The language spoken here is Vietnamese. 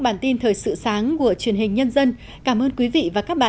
bản tin thưa quý vị